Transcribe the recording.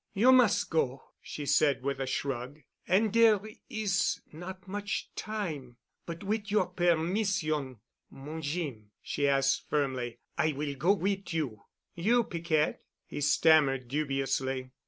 "You mus' go," she said with a shrug, "an' dere is not much time. But wit' your permission, mon Jeem——" she added firmly, "I will go wit' you." "You, Piquette!" he stammered dubiously.